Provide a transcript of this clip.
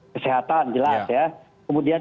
kesehatan jelas ya kemudian